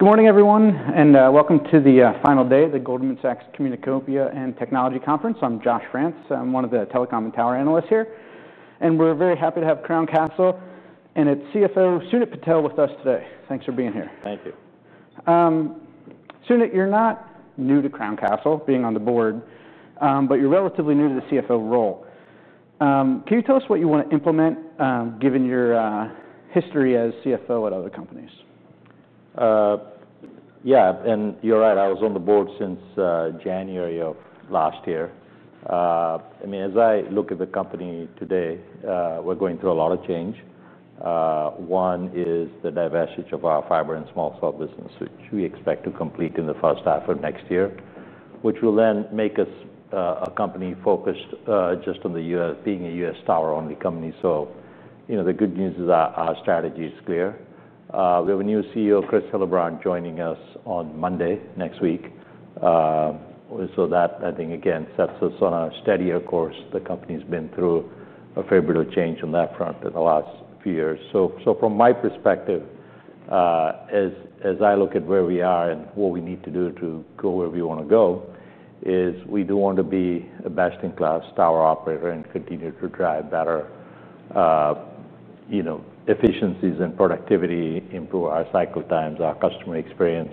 Good morning, everyone, and welcome to the final day of the Goldman Sachs Communicopia and Technology Conference. I'm Josh France. I'm one of the telecom and tower analysts here, and we're very happy to have Crown Castle and its CFO, Sunit Patel, with us today. Thanks for being here. Thank you. Sunit, you're not new to Crown Castle, being on the Board, but you're relatively new to the CFO role. Can you tell us what you want to implement, given your history as CFO at other companies? Yeah, and you're right. I was on the board since January of last year. I mean, as I look at the company today, we're going through a lot of change. One is the divestiture of our fiber and small cell business, which we expect to complete in the first half of next year, which will then make us a company focused just on the U.S., being a U.S. tower-only company. The good news is our strategy is clear. We have a new CEO, Kristoffer Hinson, joining us on Monday next week. That, I think, again, sets us on a steadier course. The company's been through a fair bit of change on that front in the last few years. From my perspective, as I look at where we are and what we need to do to go where we want to go, is we do want to be a best-in-class tower operator and continue to drive better efficiencies and productivity, improve our cycle times, our customer experience.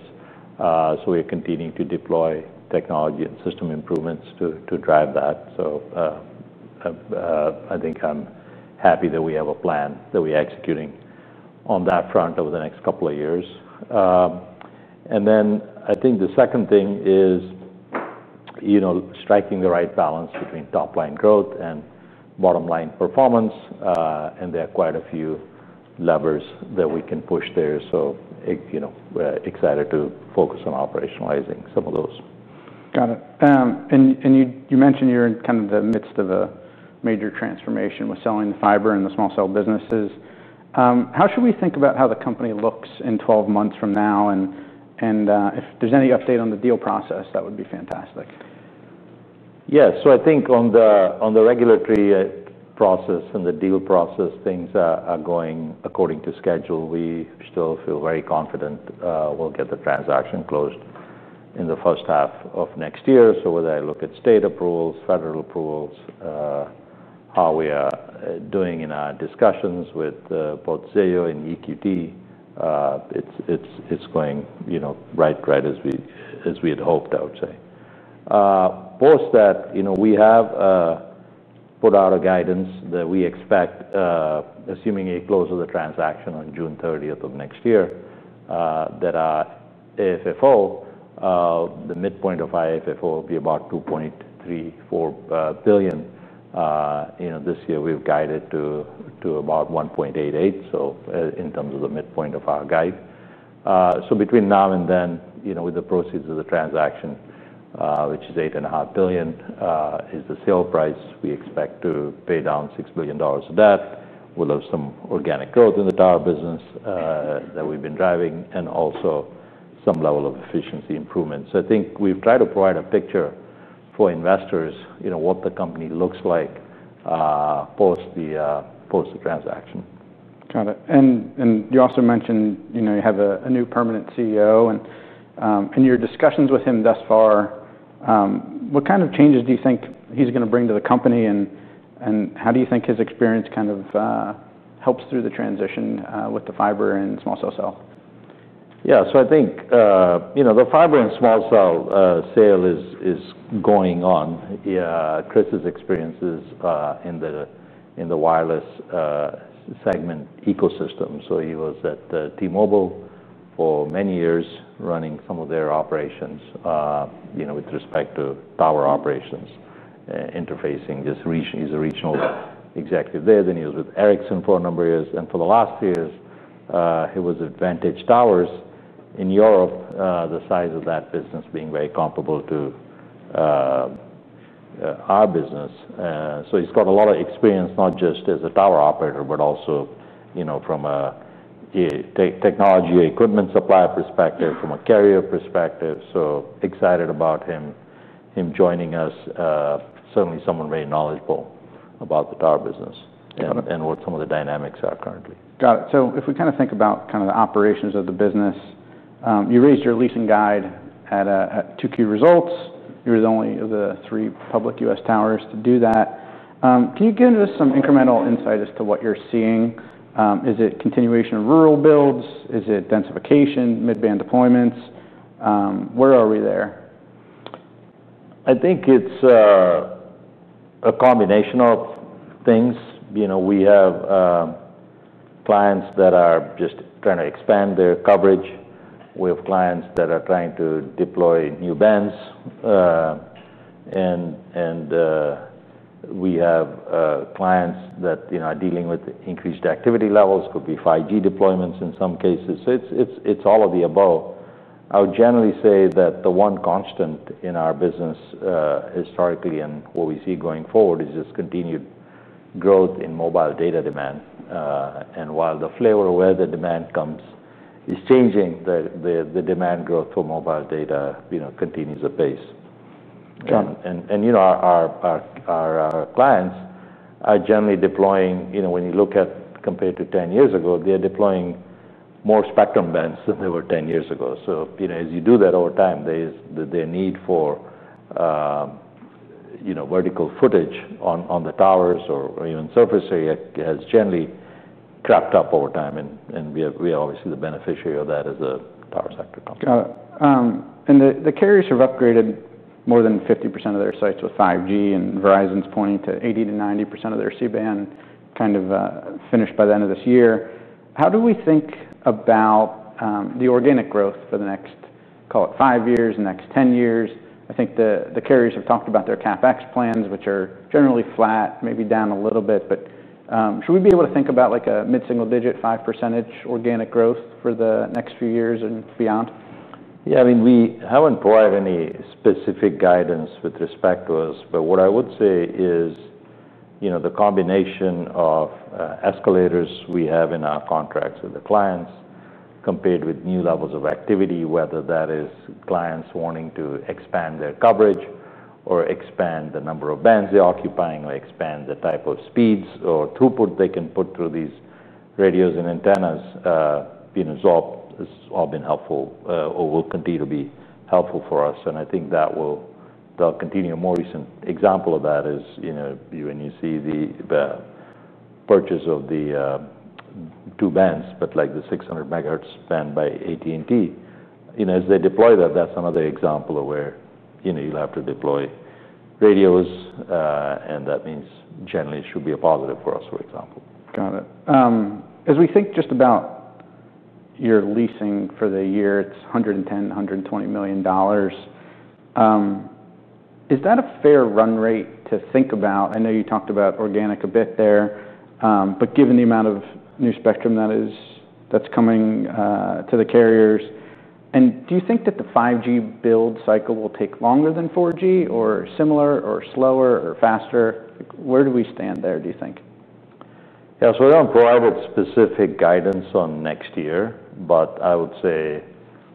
We are continuing to deploy technology and system improvements to drive that. I think I'm happy that we have a plan that we're executing on that front over the next couple of years. I think the second thing is striking the right balance between top-line growth and bottom-line performance. There are quite a few levers that we can push there. We're excited to focus on operationalizing some of those. Got it. You mentioned you're in kind of the midst of a major transformation with selling the fiber and the small cell businesses. How should we think about how the company looks in 12 months from now? If there's any update on the deal process, that would be fantastic. Yeah, I think on the regulatory process and the deal process, things are going according to schedule. We still feel very confident we'll get the transaction closed in the first half of next year. Whether I look at state approvals, federal approvals, how we are doing in our discussions with both Zayo and EQT, it's going right as we had hoped, I would say. Plus, we have put out a guidance that we expect, assuming a close of the transaction on June 30 of next year, that our AFFO, the midpoint of our AFFO, will be about $2.34 billion. This year we've guided to about $1.88 billion, in terms of the midpoint of our guide. Between now and then, with the proceeds of the transaction, which is $8.5 billion as the sale price, we expect to pay down $6 billion of that. We'll have some organic growth in the tower business that we've been driving and also some level of efficiency improvements. I think we've tried to provide a picture for investors of what the company looks like post the transaction. Got it. You also mentioned, you have a new permanent CEO and in your discussions with him thus far, what kind of changes do you think he's going to bring to the company and how do you think his experience kind of helps through the transition with the fiber and small cell sale? Yeah, so I think the fiber and small cell sale is going on. Kristoffer Hinson's experience is in the wireless segment ecosystem. He was at T-Mobile for many years, running some of their operations with respect to tower operations, interfacing as regional executive there. He was with Ericsson for a number of years. For the last few years, he was at Vantage Towers in Europe, the size of that business being very comparable to our business. He's got a lot of experience, not just as a tower operator, but also from a technology equipment supplier perspective and from a carrier perspective. Excited about him joining us. Certainly someone very knowledgeable about the tower business and what some of the dynamics are currently. Got it. If we kind of think about the operations of the business, you raised your leasing guide at Q2 results. You're the only one of the three public U.S. towers to do that. Can you give us some incremental insight as to what you're seeing? Is it continuation of rural builds? Is it densification, mid-band deployments? Where are we there? I think it's a combination of things. We have clients that are just trying to expand their coverage. We have clients that are trying to deploy new bands. We have clients that are dealing with increased activity levels, could be 5G deployments in some cases. It's all of the above. I would generally say that the one constant in our business historically and what we see going forward is just continued growth in mobile data demand. While the flavor of where the demand comes is changing, the demand growth for mobile data continues to pace. Our clients are generally deploying, when you look at compared to 10 years ago, they're deploying more spectrum bands than they were 10 years ago. As you do that over time, there's the need for vertical footage on the towers or even surface area has generally crept up over time. We are obviously the beneficiary of that as a tower sector company. Got it. The carriers have upgraded more than 50% of their sites with 5G, and Verizon's pointing to 80% to 90% of their C-band kind of finished by the end of this year. How do we think about the organic growth for the next, call it, five years, next 10 years? I think the carriers have talked about their CapEx plans, which are generally flat, maybe down a little bit, but should we be able to think about like a mid-single-digit 5% organic growth for the next few years and beyond? Yeah, I mean, we haven't provided any specific guidance with respect to us, but what I would say is, you know, the combination of escalators we have in our contracts with the clients, compared with new levels of activity, whether that is clients wanting to expand their coverage or expand the number of bands they're occupying or expand the type of speeds or throughput they can put through these radios and antennas, has all been helpful or will continue to be helpful for us. I think that will, they'll continue. A more recent example of that is, when you see the purchase of the two bands, but like the 600 MHz band by AT&T, as they deploy that, that's another example of where you'll have to deploy radios, and that means generally it should be a positive cross, for example. Got it. As we think just about your leasing for the year, it's $110 million, $120 million. Is that a fair run rate to think about? I know you talked about organic a bit there, but given the amount of new spectrum that is coming to the carriers, do you think that the 5G build cycle will take longer than 4G or similar or slower or faster? Where do we stand there, do you think? Yeah, so I don't have private specific guidance on next year, but I would say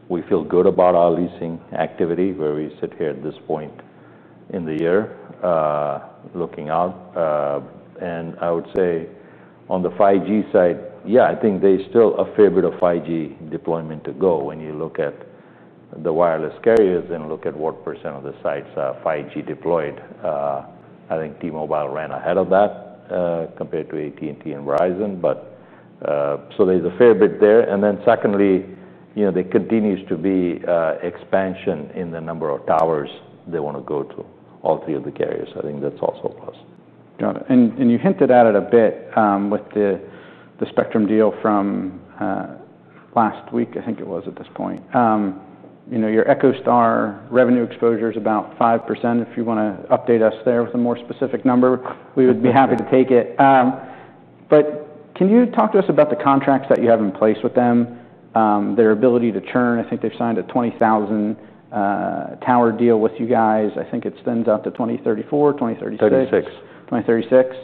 we feel good about our leasing activity where we sit here at this point in the year, looking out. I would say on the 5G side, yeah, I think there's still a fair bit of 5G deployment to go when you look at the wireless carriers and look at what % of the sites are 5G deployed. I think T-Mobile ran ahead of that compared to AT&T and Verizon, so there's a fair bit there. Secondly, there continues to be expansion in the number of towers they want to go to, all three of the carriers. I think that's also a plus. Got it. You hinted at it a bit with the spectrum deal from last week, I think it was at this point. Your EchoStar revenue exposure is about 5%. If you want to update us there with a more specific number, we would be happy to take it. Can you talk to us about the contracts that you have in place with them? Their ability to churn, I think they've signed a 20,000 tower deal with you guys. I think it spends out to 2034, 2036. 2036.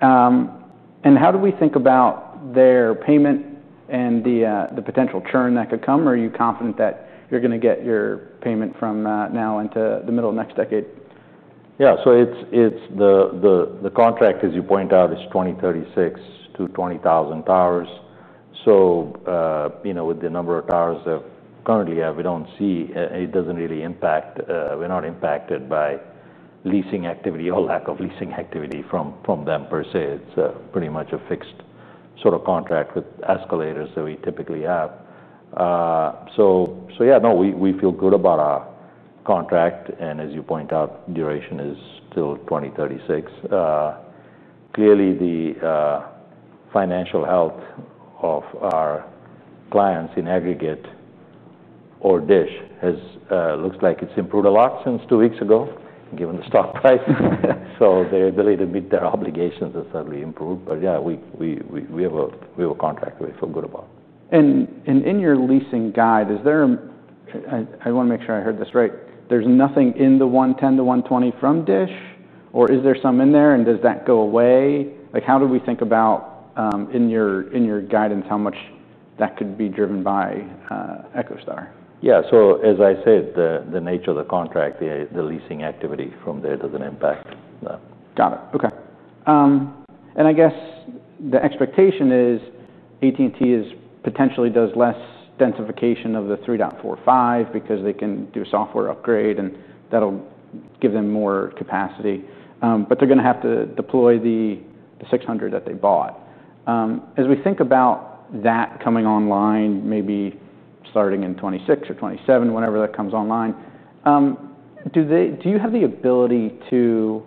How do we think about their payment and the potential churn that could come? Are you confident that you're going to get your payment from now into the middle of next decade? Yeah, so it's the contract, as you point out, is 2036 to 20,000 towers. With the number of towers that we currently have, we don't see, it doesn't really impact, we're not impacted by leasing activity or lack of leasing activity from them per se. It's pretty much a fixed sort of contract with escalators that we typically have. No, we feel good about our contract and as you point out, duration is still 2036. Clearly, the financial health of our clients in aggregate or EchoStar looks like it's improved a lot since two weeks ago, given the stock price. Their obligations have certainly improved, but we have a contract that we feel good about. In your leasing guide, is there, I want to make sure I heard this right, there's nothing in the $110 to $120 million from EchoStar or is there some in there, and does that go away? How do we think about in your guidance how much that could be driven by EchoStar? Yeah, as I said, the nature of the contract, the leasing activity from there doesn't impact that. Got it. Okay. I guess the expectation is AT&T potentially does less densification of the 3.45 because they can do a software upgrade and that'll give them more capacity, but they're going to have to deploy the 600 that they bought. As we think about that coming online, maybe starting in 2026 or 2027, whenever that comes online, do you have the ability to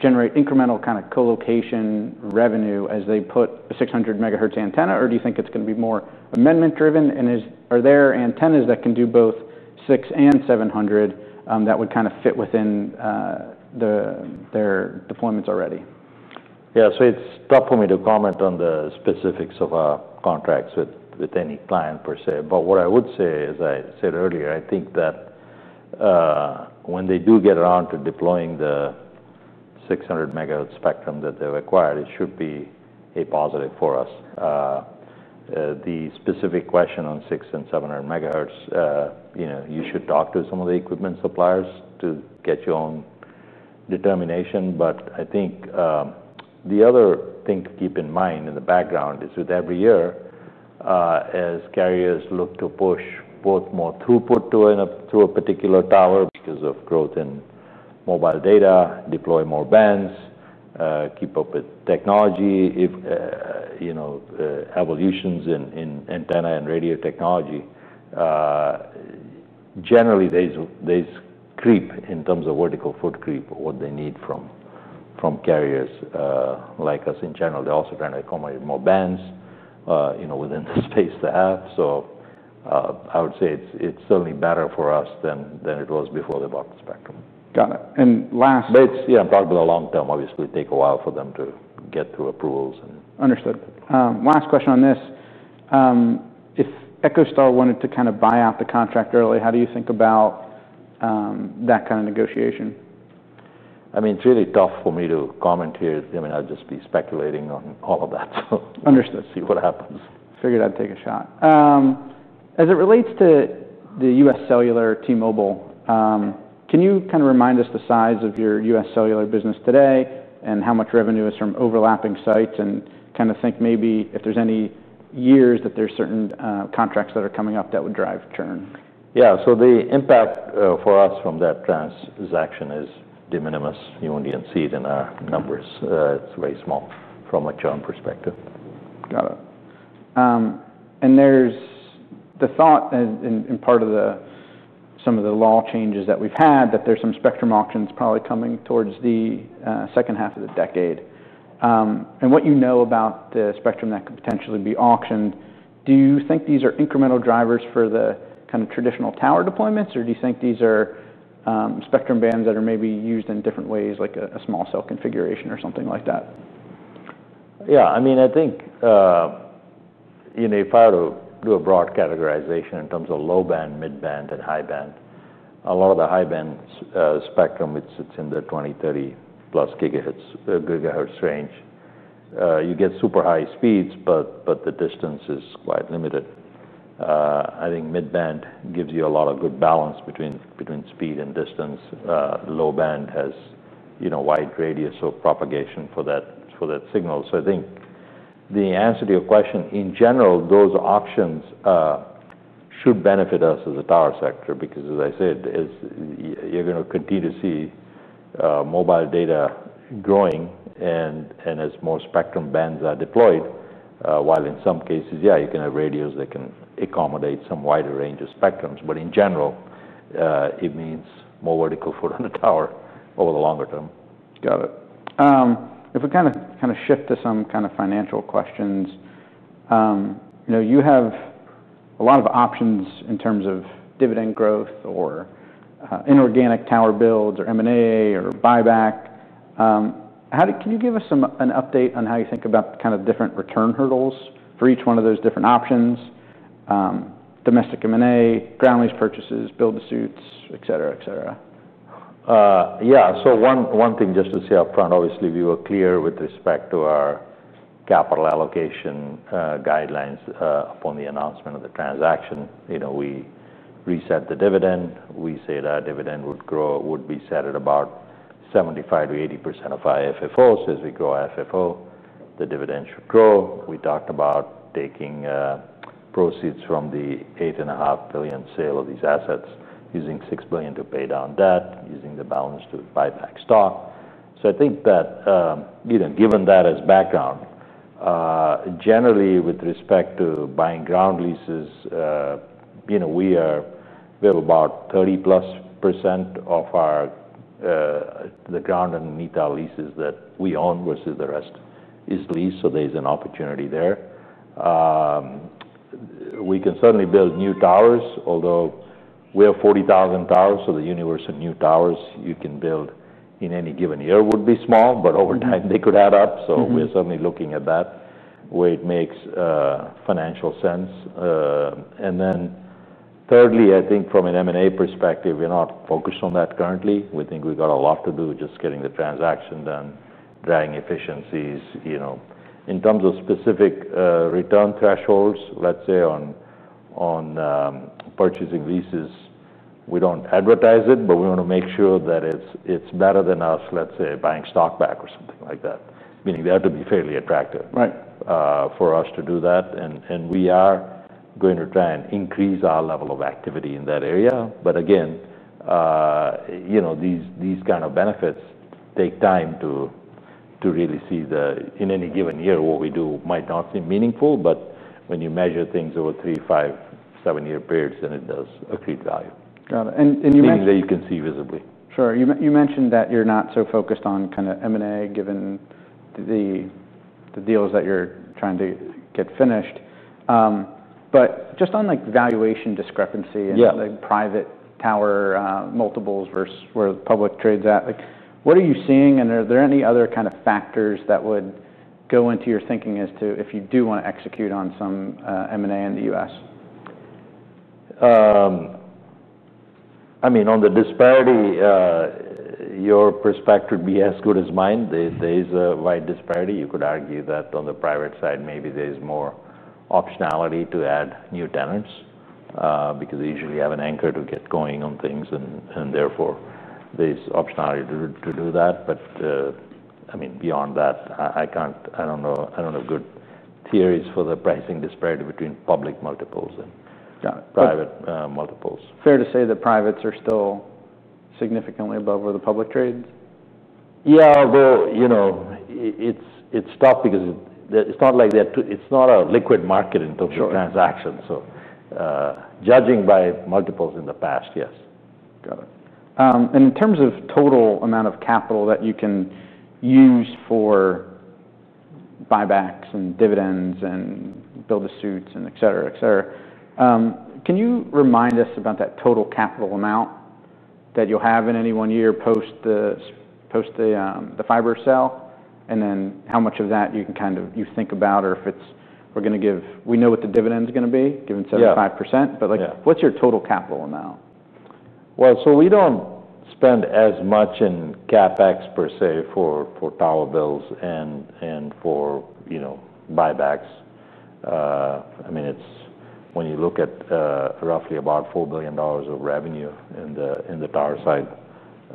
generate incremental kind of colocation revenue as they put a 600 MHz antenna or do you think it's going to be more amendment driven, and are there antennas that can do both 600 and 700 that would kind of fit within their deployments already? Yeah, it's tough for me to comment on the specifics of our contracts with any client per se, but what I would say is, as I said earlier, I think that when they do get around to deploying the 600 MHz spectrum that they've acquired, it should be a positive for us. The specific question on 600 and 700 MHz, you should talk to some of the equipment suppliers to get your own determination, but I think the other thing to keep in mind in the background is with every year, as carriers look to push both more throughput to a particular tower because of growth in mobile data, deploy more bands, keep up with technology, evolutions in antenna and radio technology, generally these creep in terms of vertical foot creep, what they need from carriers like us in general. They're also trying to accommodate more bands within the space they have. I would say it's certainly better for us than it was before they bought the spectrum. Got it. Last. Yeah, probably the long term, obviously, take a while for them to get through approvals. Understood. Last question on this. If EchoStar wanted to kind of buy out the contract early, how do you think about that kind of negotiation? It's really tough for me to comment here. I'd just be speculating on all of that. Understood. See what happens. Figured I'd take a shot. As it relates to the U.S. Cellular T-Mobile, can you kind of remind us the size of your U.S. cellular business today and how much revenue is from overlapping sites, and kind of think maybe if there's any years that there's certain contracts that are coming up that would drive churn? Yeah, the impact for us from that transaction is de minimis. You won't even see it in our numbers. It's very small from a churn perspective. Got it. There's the thought and part of some of the law changes that we've had that there's some spectrum auctions probably coming towards the second half of the decade. What you know about the spectrum that could potentially be auctioned, do you think these are incremental drivers for the kind of traditional tower deployments, or do you think these are spectrum bands that are maybe used in different ways, like a small cell configuration or something like that? Yeah, I mean, I think if I were to do a broad categorization in terms of low band, mid band, and high band, a lot of the high band spectrum is in the 20, 30 plus gigahertz range. You get super high speeds, but the distance is quite limited. I think mid band gives you a lot of good balance between speed and distance. Low band has a wide radius of propagation for that signal. I think the answer to your question, in general, is those auctions should benefit us as a tower sector because, as I said, you're going to continue to see mobile data growing, and as more spectrum bands are deployed, while in some cases you can have radios that can accommodate some wider range of spectrums, in general, it means more vertical foot on the tower over the longer term. Got it. If we kind of shift to some kind of financial questions, you know, you have a lot of options in terms of dividend growth or inorganic tower builds or M&A or buyback. Can you give us an update on how you think about the kind of different return hurdles for each one of those different options? Domestic M&A, ground lease purchases, build suits, etcetera, etcetera. Yeah, so one thing just to say upfront, obviously we were clear with respect to our capital allocation guidelines upon the announcement of the transaction. You know, we reset the dividend. We say that our dividend would grow, would be set at about 75% to 80% of our FFOs. As we grow our FFO, the dividend should grow. We talked about taking proceeds from the $8.5 billion sale of these assets, using $6 billion to pay down debt, using the balance to buy back stock. I think that, given that as background, generally with respect to buying ground leases, we have about 30% plus of the ground underneath our leases that we own versus the rest is leased. There's an opportunity there. We can certainly build new towers, although we have 40,000 towers, so the universe of new towers you can build in any given year would be small, but over time they could add up. We're certainly looking at that where it makes financial sense. Thirdly, I think from an M&A perspective, we're not focused on that currently. We think we've got a lot to do with just getting the transaction done, driving efficiencies. In terms of specific return thresholds, let's say on purchasing leases, we don't advertise it, but we want to make sure that it's better than us, let's say, buying stock back or something like that. Meaning they have to be fairly attractive. Right. For us to do that, we are going to try and increase our level of activity in that area. Again, these kind of benefits take time to really see. In any given year, what we do might not seem meaningful, but when you measure things over three, five, seven-year periods, it does accrete value. Got it. Meaning that you can see visibly. Sure. You mentioned that you're not so focused on kind of M&A given the deals that you're trying to get finished. Just on valuation discrepancy and private tower multiples versus where the public trade's at, what are you seeing and are there any other kind of factors that would go into your thinking as to if you do want to execute on some M&A in the U.S.? I mean, on the disparity, your perspective would be as good as mine. There's a wide disparity. You could argue that on the private side, maybe there's more optionality to add new tenants because they usually have an anchor to get going on things and therefore there's optionality to do that. Beyond that, I can't, I don't know, I don't have good theories for the pricing disparity between public multiples and private multiples. Fair to say the privates are still significantly above where the public trade is? Yeah, although it's tough because it's not like they're, it's not a liquid market in terms of transactions. Judging by multiples in the past, yes. Got it. In terms of total amount of capital that you can use for buybacks and dividends and build-to-suit and etc., etc., can you remind us about that total capital amount that you'll have in any one year post the fiber sale and then how much of that you can kind of, you think about or if it's, we're going to give, we know what the dividend is going to be, given 75%, but like what's your total capital amount? We don't spend as much in CapEx per se for tower builds and for, you know, buybacks. I mean, it's, when you look at roughly about $4 billion of revenue in the tower side,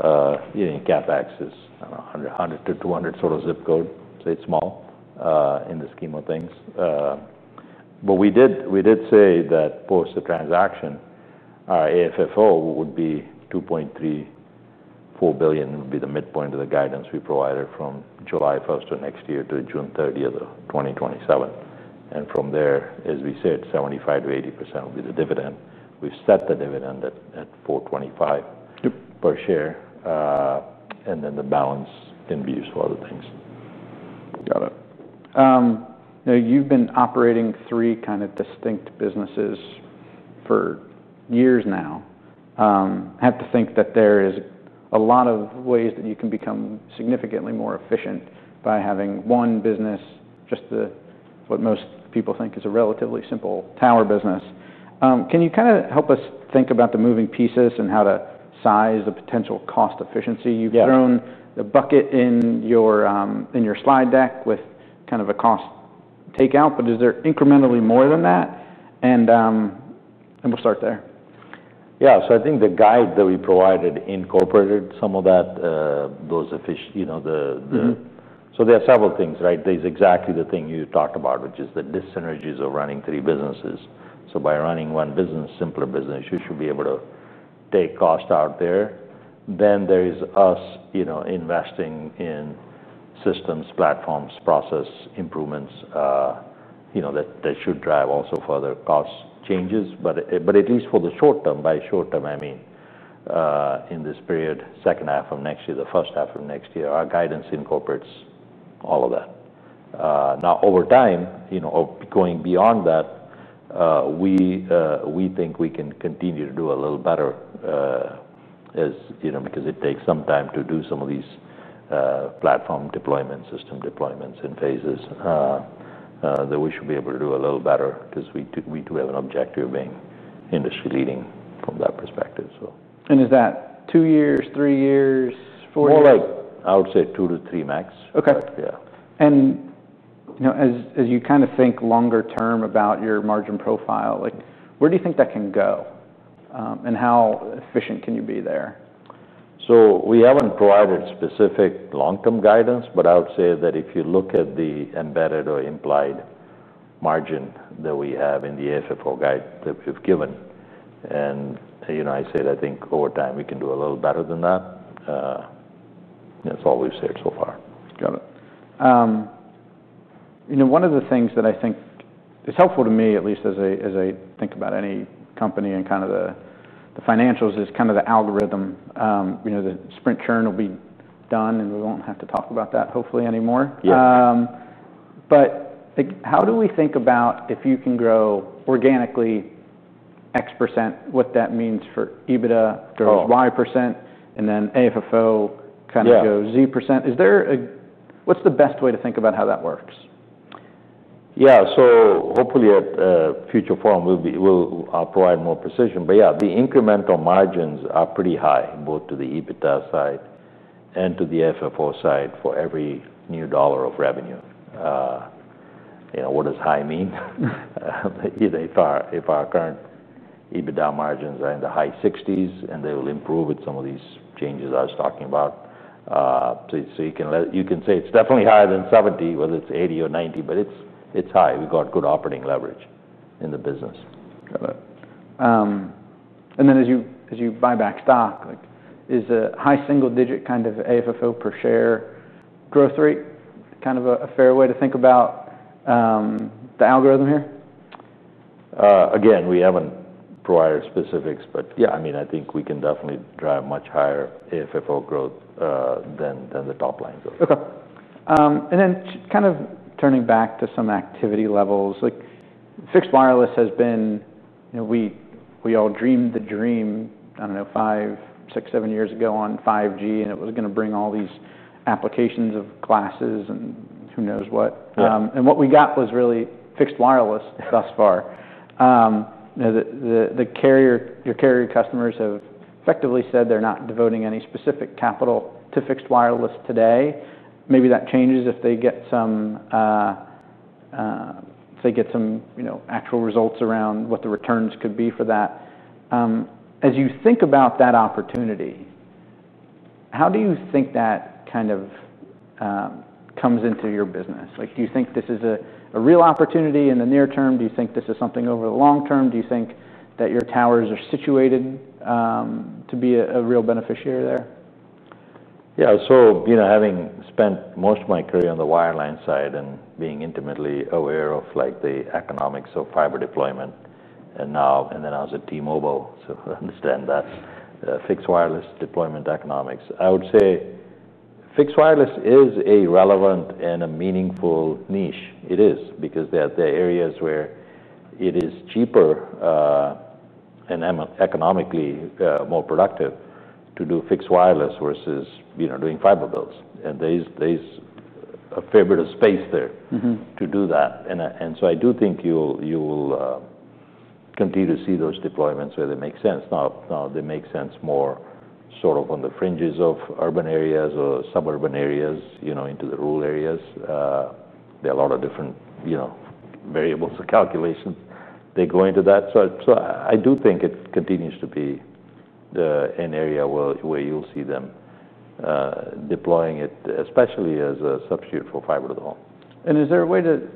your CapEx is $100 to $200 million sort of zip code. It's small in the scheme of things. We did say that post the transaction, our AFFO would be $2.34 billion, which would be the midpoint of the guidance we provided from July 1, 2025 to June 30, 2027. From there, as we said, 75% to 80% would be the dividend. We've set the dividend at $4.25 per share and then the balance can be used for other things. Got it. You've been operating three kind of distinct businesses for years now. I have to think that there are a lot of ways that you can become significantly more efficient by having one business, just what most people think is a relatively simple tower business. Can you kind of help us think about the moving pieces and how to size the potential cost efficiency? You've thrown the bucket in your slide deck with kind of a cost takeout, but is there incrementally more than that? We'll start there. Yeah, I think the guide that we provided incorporated some of that, those efficient, you know, the, so there are several things, right? There's exactly the thing you talked about, which is the dissynergies of running three businesses. By running one business, simpler business, you should be able to take cost out there. There is us, you know, investing in systems, platforms, process improvements, you know, that should drive also further cost changes. At least for the short term, by short term, I mean, in this period, second half of next year, the first half of next year, our guidance incorporates all of that. Over time, you know, going beyond that, we think we can continue to do a little better as, you know, because it takes some time to do some of these platform deployments, system deployments in phases that we should be able to do a little better because we do have an objective of being industry leading from that perspective. Is that two years, three years, four years? More like, I would say two to three max. Okay. But yeah. As you kind of think longer term about your margin profile, where do you think that can go and how efficient can you be there? We haven't provided specific long-term guidance, but I would say that if you look at the embedded or implied margin that we have in the AFFO guide that we've given, I think over time we can do a little better than that. That's all we've said so far. Got it. You know, one of the things that I think is helpful to me, at least as I think about any company and kind of the financials, is kind of the algorithm. The sprint churn will be done and we won't have to talk about that hopefully anymore. Yeah. How do we think about if you can grow organically X%, what that means for EBITDA growth Y%, and then AFFO kind of goes Z%? Is there a, what's the best way to think about how that works? Yeah, hopefully at a future forum, we'll provide more precision. The incremental margins are pretty high, both to the EBITDA side and to the AFFO side for every new dollar of revenue. You know, what does high mean? If our current EBITDA margins are in the high 60%, and they will improve with some of these changes I was talking about. You can say it's definitely higher than 70%, whether it's 80% or 90%, but it's high. We've got good operating leverage in the business. Got it. As you buy back stock, is a high single-digit kind of AFFO per share growth rate a fair way to think about the algorithm here? Again, we haven't provided specifics, but I think we can definitely drive much higher AFFO growth than the top lines of it. Okay. Turning back to some activity levels, like fixed wireless has been, you know, we all dreamed the dream, I don't know, five, six, seven years ago on 5G, and it was going to bring all these applications of classes and who knows what. What we got was really fixed wireless thus far. The carrier, your carrier customers have effectively said they're not devoting any specific capital to fixed wireless today. Maybe that changes if they get some, say, get some, you know, actual results around what the returns could be for that. As you think about that opportunity, how do you think that kind of comes into your business? Do you think this is a real opportunity in the near term? Do you think this is something over the long term? Do you think that your towers are situated to be a real beneficiary there? Yeah, so having spent most of my career on the wireline side and being intimately aware of the economics of fiber deployment, and then I was at T-Mobile, so I understand that fixed wireless deployment economics. I would say fixed wireless is a relevant and a meaningful niche. It is because there are areas where it is cheaper and economically more productive to do fixed wireless versus, you know, doing fiber builds. There is a fair bit of space there to do that. I do think you will continue to see those deployments where they make sense. They make sense more sort of on the fringes of urban areas or suburban areas, you know, into the rural areas. There are a lot of different variables of calculations that go into that. I do think it continues to be an area where you'll see them deploying it, especially as a substitute for fiber though. Is there a way to,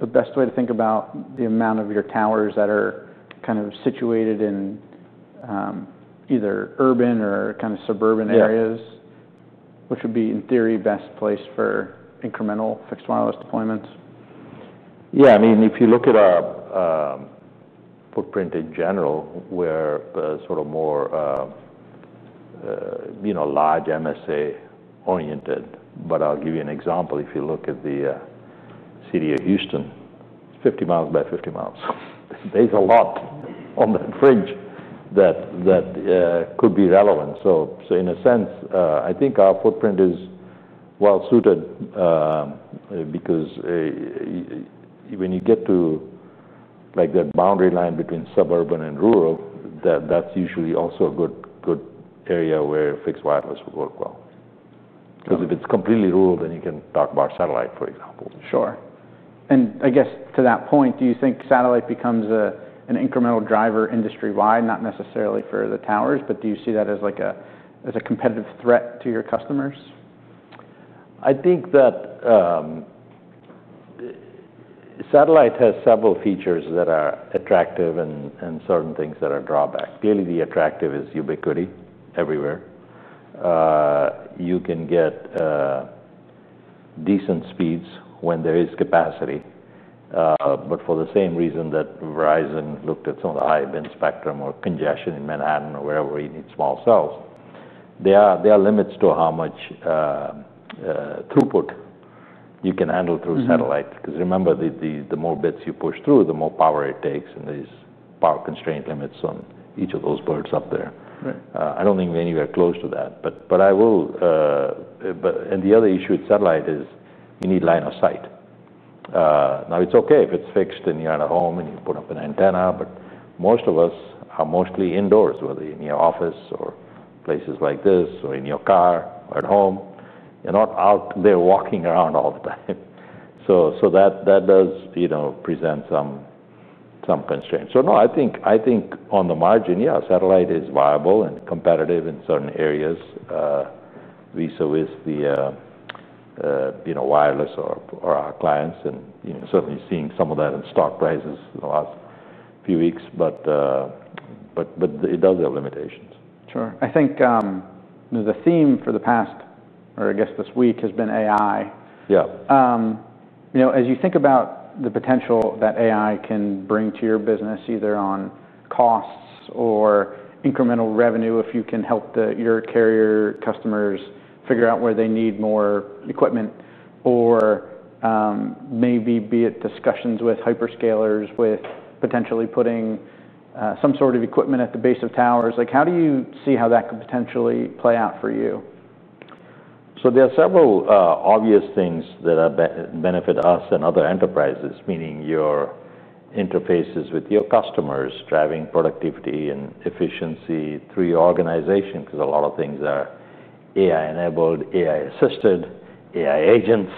the best way to think about the amount of your towers that are kind of situated in either urban or kind of suburban areas, which would be in theory best placed for incremental fixed wireless deployments? Yeah, I mean, if you look at our footprint in general, we're sort of more, you know, large MSA oriented. I'll give you an example. If you look at the city of Houston, it's 50 miles by 50 miles. There's a lot on the fringe that could be relevant. In a sense, I think our footprint is well suited because when you get to that boundary line between suburban and rural, that's usually also a good area where fixed wireless would work well. If it's completely rural, then you can talk about satellite, for example. Sure. To that point, do you think satellite becomes an incremental driver industry-wide, not necessarily for the towers, but do you see that as like a competitive threat to your customers? I think that satellite has several features that are attractive and certain things that are drawbacks. Clearly, the attractive is ubiquity everywhere. You can get decent speeds when there is capacity. For the same reason that Verizon looked at some of the high-band spectrum or congestion in Manhattan or wherever you need small cells, there are limits to how much throughput you can handle through satellite. Remember, the more bits you push through, the more power it takes, and there's power constraint limits on each of those birds up there. I don't think we're anywhere close to that. The other issue with satellite is you need line of sight. Now, it's okay if it's fixed and you're at home and you put up an antenna, but most of us are mostly indoors, whether you're in your office or places like this or in your car or at home. You're not out there walking around all the time. That does present some constraints. On the margin, yeah, satellite is viable and competitive in certain areas. We service the wireless or our clients and certainly seeing some of that in stock prices in the last few weeks, but it does have limitations. Sure. I think the theme for the past, or I guess this week, has been AI. Yeah. You know, as you think about the potential that AI can bring to your business, either on costs or incremental revenue, if you can help your carrier customers figure out where they need more equipment, or maybe be at discussions with hyperscalers with potentially putting some sort of equipment at the base of towers, how do you see how that could potentially play out for you? better customer There are several obvious things that benefit us and other enterprises, meaning your interfaces with your customers, driving productivity and efficiency through your organization, because a lot of things are AI-enabled, AI-assisted, AI-agents,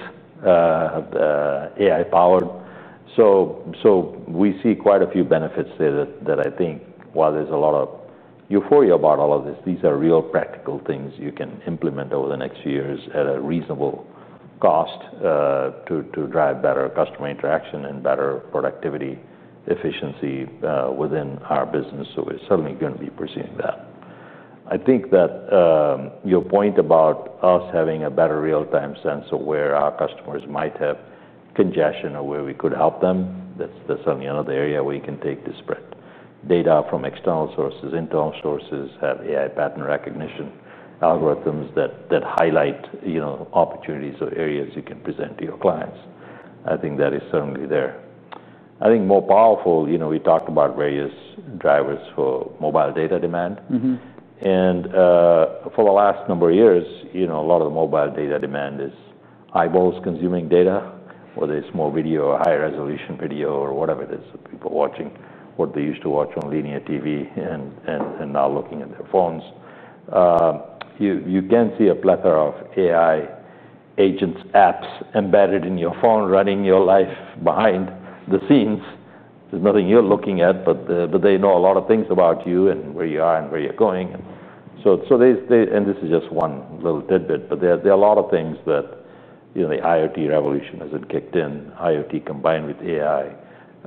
AI-powered. We see quite a few benefits there that I think, while there's a lot of euphoria about all of this, these are real practical things you can implement over the next few years at a reasonable cost to drive better customer interaction and better productivity efficiency within our business. We're certainly going to be pursuing that. I think that your point about us having a better real-time sense of where our customers might have congestion or where we could help them, that's certainly another area where you can take the spread. Data from external sources, internal sources, have AI pattern recognition algorithms that highlight, you know, opportunities or areas you can present to your clients. I think that is certainly there. I think more powerful, you know, we talked about various drivers for mobile data demand. For the last number of years, a lot of the mobile data demand is eyeballs consuming data, whether it's more video or high-resolution video or whatever it is that people are watching, what they used to watch on linear TV and now looking at their phones. You can see a plethora of AI agents, apps embedded in your phone running your life behind the scenes. There's nothing you're looking at, but they know a lot of things about you and where you are and where you're going. This is just one little tidbit, but there are a lot of things that the IoT revolution has kicked in, IoT combined with AI,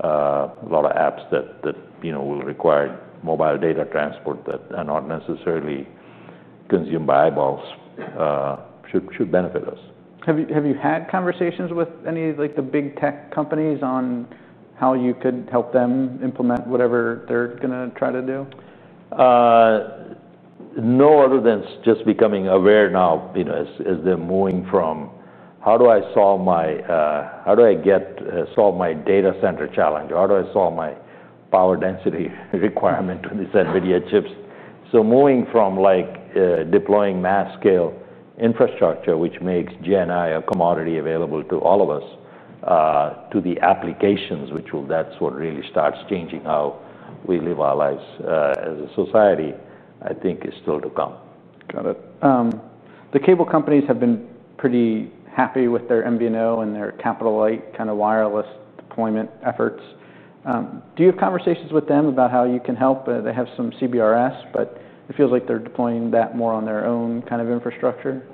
a lot of apps that will require mobile data transport that are not necessarily consumed by eyeballs should benefit us. Have you had conversations with any of the big tech companies on how you could help them implement whatever they're going to try to do? No, other than just becoming aware now, as they're moving from how do I solve my, how do I get solve my data center challenge or how do I solve my power density requirement with these NVIDIA chips. Moving from deploying mass-scale infrastructure, which makes GNI a commodity available to all of us, to the applications, which will, that's what really starts changing how we live our lives as a society, I think is still to come. Got it. The cable companies have been pretty happy with their MVNO and their capital-light kind of wireless deployment efforts. Do you have conversations with them about how you can help? They have some CBRS, but it feels like they're deploying that more on their own kind of infrastructure.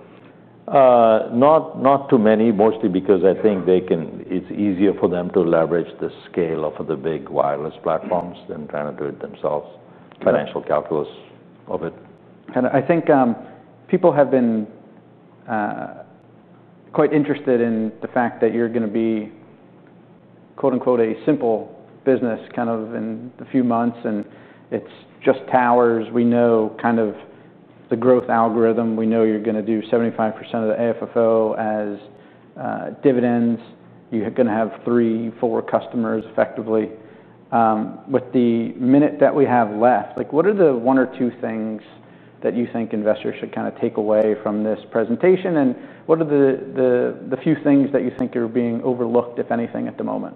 Not too many, mostly because I think it's easier for them to leverage the scale of the big wireless platforms than trying to do it themselves. Financial calculus of it. I think people have been quite interested in the fact that you're going to be, quote unquote, a simple business kind of in a few months and it's just towers. We know kind of the growth algorithm. We know you're going to do 75% of the AFFO as dividends. You're going to have three, four customers effectively. With the minute that we have left, what are the one or two things that you think investors should kind of take away from this presentation and what are the few things that you think are being overlooked, if anything, at the moment?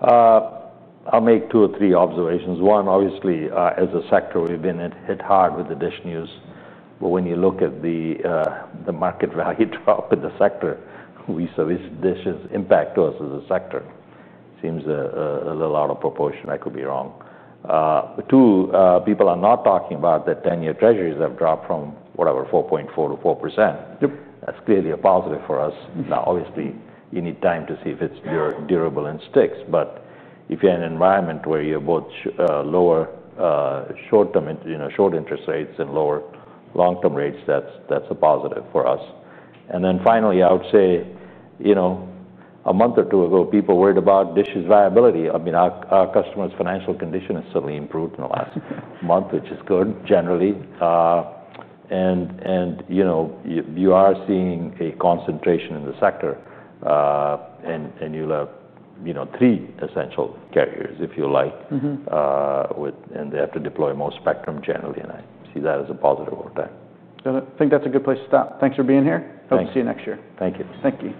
I'll make two or three observations. One, obviously, as a sector, we've been hit hard with the DISH news. When you look at the market value drop in the sector, we service DISH's impact to us as a sector, seems a little out of proportion. I could be wrong. Two, people are not talking about that 10-year Treasuries have dropped from, whatever, 4.4% to 4%. That's clearly a positive for us. Obviously, you need time to see if it's durable and sticks. If you're in an environment where you're both lower short-term interest rates and lower long-term rates, that's a positive for us. Finally, I would say, you know, a month or two ago, people worried about DISH's viability. I mean, our customers' financial condition has certainly improved in the last month, which is good generally. You are seeing a concentration in the sector and you'll have, you know, three essential carriers, if you like, and they have to deploy most spectrum generally. I see that as a positive over time. Got it. I think that's a good place to stop. Thanks for being here. Hope to see you next year. Thank you. Thank you.